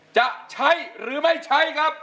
จะใช้หรือไม่ใช้ครับ